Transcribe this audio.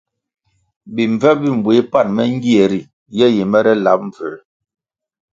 Bimbvep bi mbueh pan me ngie ri ye yi mere lab mbvuē,